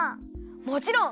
もちろん！